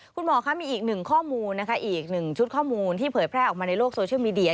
คุณหมอมีอีก๑ชุดข้อมูลที่เผยแพร่ออกมาในโลกโซเชียลมีเดีย